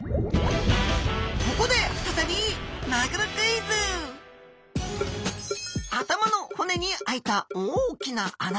ここで再び頭の骨にあいた大きな穴。